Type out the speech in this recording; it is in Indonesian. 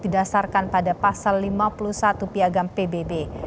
didasarkan pada pasal lima puluh satu piagam pbb